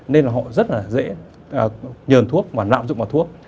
nên là họ rất là dễ nhờn thuốc và nạm dụng vào thuốc